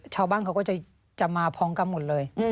ชาวบ้านเขาก็จะมาพร้อมกันหมดเลย